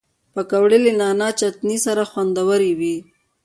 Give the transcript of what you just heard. پکورې له نعناع چټني سره خوندورې وي